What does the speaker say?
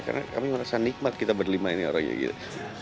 karena kami merasa nikmat kita berlimpah ini orangnya gitu